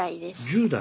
１０代。